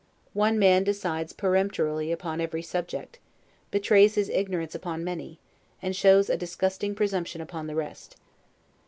One man decides peremptorily upon every subject, betrays his ignorance upon many, and shows a disgusting presumption upon the rest.